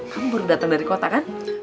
kamu baru datang dari kota kan